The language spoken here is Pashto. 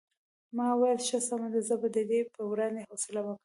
ما وویل ښه سمه ده زه به د دې په وړاندې حوصله وکړم.